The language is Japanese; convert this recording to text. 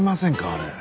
あれ。